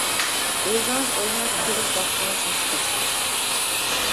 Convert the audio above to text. ئۆزىڭىز ئويناپ كۆرۈپ باقسىڭىز ھېس قىلىسىز.